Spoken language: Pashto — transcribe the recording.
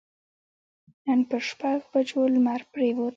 نن پر شپږ بجو لمر پرېوت.